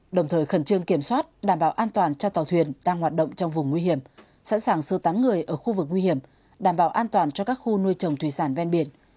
đồng thời khẩn trương kiểm soát đảm bảo an toàn cho tàu thuyền đang hoạt động trong vùng nguy hiểm sẵn sàng sơ tán người ở khu vực nguy hiểm đảm bảo an toàn cho các khu nuôi trồng thủy sản ven biển